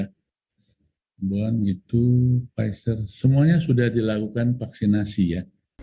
imbon itu pfizer semuanya sudah dilakukan vaksinasi ya